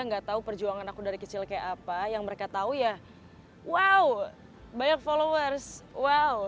nggak tahu perjuangan aku dari kecil kayak apa yang mereka tahu ya wow banyak followers wow